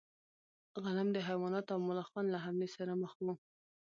غنم د حیواناتو او ملخانو له حملې سره مخ و.